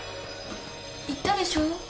言ったでしょ？